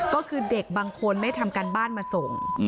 ก็คือเด็กบางคนไม่ทำการบ้านมาส่ง